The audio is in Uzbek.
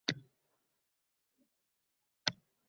Bittasi ona-bolani oyog‘idan oldi, bittasi boshidan oldi.